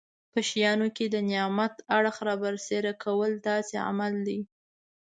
په شیانو کې د نعمت اړخ رابرسېره کول داسې عمل دی.